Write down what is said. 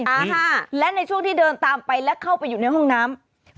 อ่าฮะและในช่วงที่เดินตามไปและเข้าไปอยู่ในห้องน้ำ